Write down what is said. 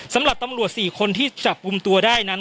สำหรับตำรวจ๔คนที่จับกลุ่มตัวได้นั้น